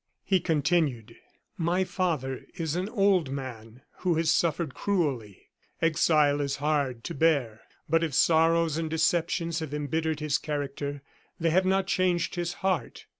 He continued: "My father is an old man who has suffered cruelly. Exile is hard to bear. But if sorrows and deceptions have embittered his character, they have not changed his heart.